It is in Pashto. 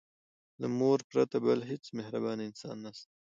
له مور پرته بل هيڅ مهربانه انسان نسته.